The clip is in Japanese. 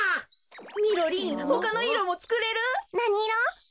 みろりんほかのいろもつくれる？